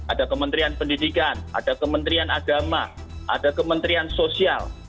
ada kementerian pendidikan ada kementerian agama ada kementerian sosial